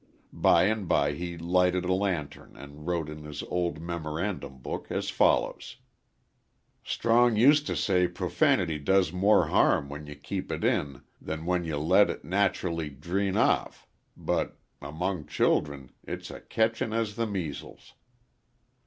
By and by he lighted a lantern and wrote in his old memorandum book as follows: _"Strong use to say prufanity does more harm when ye keep it in than when ye let it natcherly drene off but among childem it's as ketchin' as the measles.